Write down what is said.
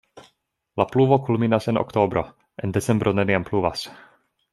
La pluvo kulminas en oktobro, en decembro neniam pluvas.